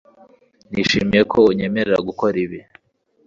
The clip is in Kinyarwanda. nishimiye ko unyemerera gukora ibi